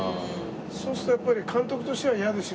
そうするとやっぱり監督としては嫌ですよね